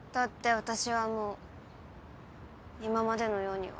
私はもう今までのようには。